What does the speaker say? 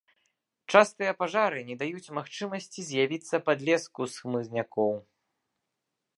Частыя пажары не даюць магчымасці з'явіцца падлеску з хмызнякоў.